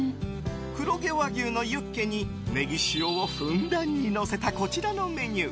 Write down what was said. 黒毛和牛のユッケにネギ塩をふんだんにのせたこちらのメニュー。